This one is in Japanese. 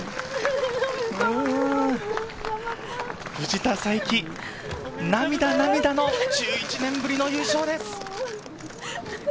藤田さいき、涙、涙の１１年ぶりの優勝です。